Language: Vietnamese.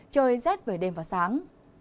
trời rét về đêm và sáng